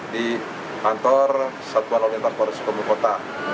di kantor satuan olimpias polres sukabumi kota